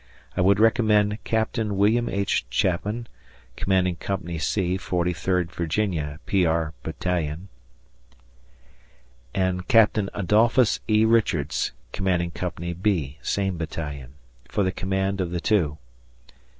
I would recommend Capt. Wm. H. Chapman (Commanding Co. C. 43d Va. P. R. Battalion) and Captain Adolphus E. Richards (Commanding Co. B. same battalion) for the command of the two